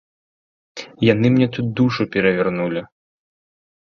Яны мне тут душу перавярнулі.